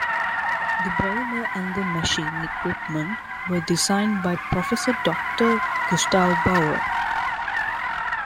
The boiler and the machine equipment were designed by Professor Doctor Gustav Bauer.